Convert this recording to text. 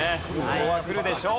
ここはくるでしょう。